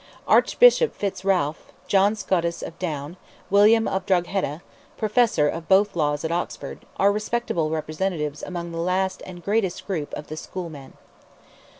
Archbishop Fitz Ralph, John Scotus of Down, William of Drogheda, Professor of both laws at Oxford, are respectable representatives among the last and greatest group of the School men.